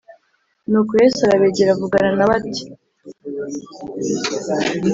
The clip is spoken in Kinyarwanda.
Nuko Yesu arabegera avugana na bo ati